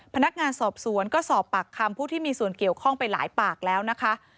พนักงานสอบสวนก็สอบปากคำผู้ที่มีส่วนเกี่ยวข้องไปหลายปากแล้วนะคะ